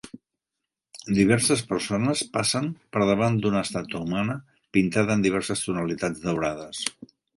Diverses persones passen per davant d'una estàtua humana, pintada en diverses tonalitats daurades.